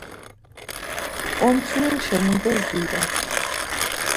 Omçviruşa mundes bidat?